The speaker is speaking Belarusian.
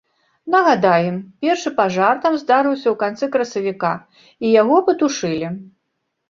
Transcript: Нагадаем, першы пажар там здарыўся ў канцы красавіка і яго патушылі.